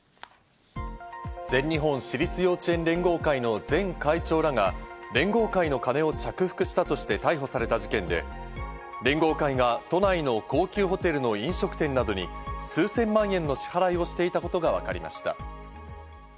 全日本私立幼稚園連合会の前会長らが連合会の金を着服したとして逮捕された事件で、連合会が都内の高級ホテルの飲食店などに数千万円の支払いをしていたことがわかりました。